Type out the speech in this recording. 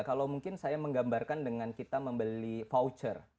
kalau mungkin saya menggambarkan dengan kita membeli voucher